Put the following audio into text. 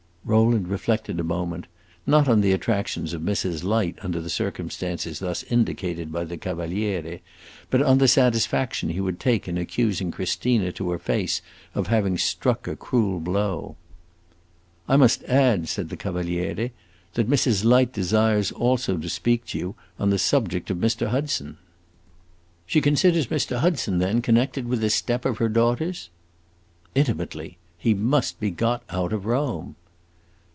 Rowland reflected a moment, not on the attractions of Mrs. Light under the circumstances thus indicated by the Cavaliere, but on the satisfaction he would take in accusing Christina to her face of having struck a cruel blow. "I must add," said the Cavaliere, "that Mrs. Light desires also to speak to you on the subject of Mr. Hudson." "She considers Mr. Hudson, then, connected with this step of her daughter's?" "Intimately. He must be got out of Rome."